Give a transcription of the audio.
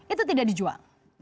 itu tidak dijual